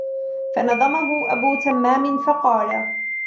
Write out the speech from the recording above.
فَنَظَمَهُ أَبُو تَمَّامٍ فَقَالَ